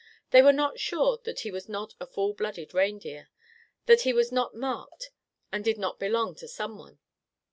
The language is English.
They were not sure that he was not a full blooded reindeer; that he was not marked and did not belong to someone.